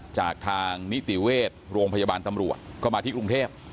จากทางนิติเวชโรงพยาบาลตำรวจก็มาที่กรุงเทพ